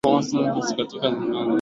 Dereva wangu ni kioo cha jamii.